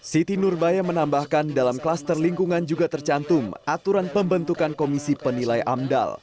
siti nurbaya menambahkan dalam kluster lingkungan juga tercantum aturan pembentukan komisi penilai amdal